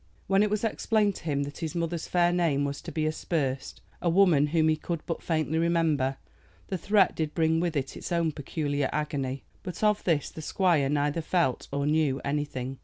When it was explained to him that his mother's fair name was to be aspersed, a mother whom he could but faintly remember, the threat did bring with it its own peculiar agony. But of this the squire neither felt or knew anything.